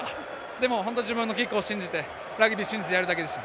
でも、自分のキックを信じてラグビー信じてやるだけでした。